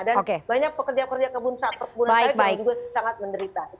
dan banyak pekerja pekerja kebun kebunan juga sangat menderita